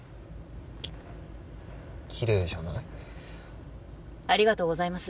ききれいじゃないありがとうございます